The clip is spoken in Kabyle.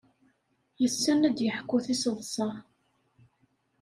Yessen ad d-yeḥku tiseḍsa.